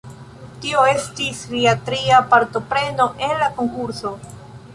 Tio estis lia tria partopreno en la konkurso.